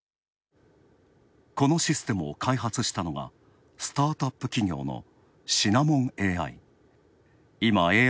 このシステムを開発したのがスタートアップ企業のシナモンＡＩ。